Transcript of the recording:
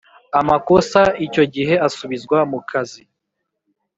Amakosa icyo gihe asubizwa mu kazi